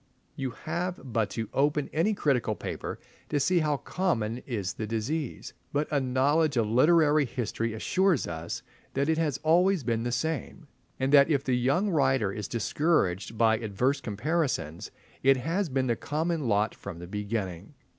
You have but to open any critical paper to see how common is the disease, but a knowledge of literary history assures us that it has always been the same, and that if the young writer is discouraged by adverse comparisons it has been the common lot from the beginning.